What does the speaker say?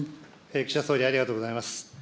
岸田総理、ありがとうございます。